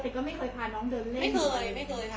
ปกติก็ไม่เคยพาน้องเดินเล่นเลย